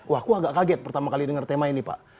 wah aku agak kaget pertama kali dengar tema ini pak